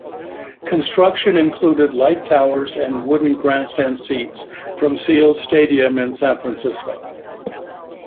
Construction included light towers and wooden grandstand seats from Seals Stadium in San Francisco.